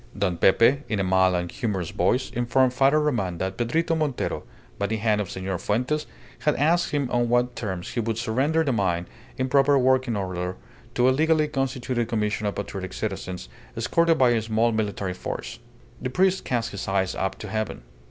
Don Pepe, in a mild and humorous voice, informed Father Roman that Pedrito Montero, by the hand of Senor Fuentes, had asked him on what terms he would surrender the mine in proper working order to a legally constituted commission of patriotic citizens, escorted by a small military force. The priest cast his eyes up to heaven.